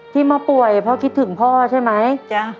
ที่มาป่วยเพราะคิดถึงพ่อใช่ไหม